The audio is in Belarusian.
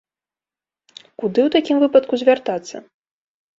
Куды ў такім выпадку звяртацца?